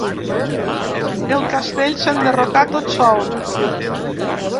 El castell s'enderrocà tot sol.